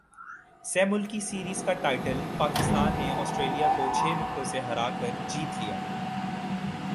سہ ملکی سیریز کا ٹائٹل پاکستان نے اسٹریلیا کو چھ وکٹوں سے ہرا کرجیت لیا